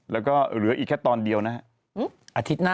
แล้วก็เหลืออีกแค่ตอนเดียวนะฮะ